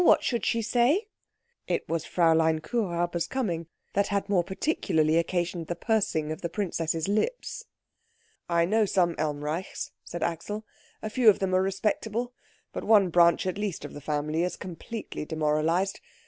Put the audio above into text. What should she say?" It was Fräulein Kuhräuber's coming that had more particularly occasioned the pursing of the princess's lips. "I know some Elmreichs," said Axel. "A few of them are respectable; but one branch at least of the family is completely demoralised.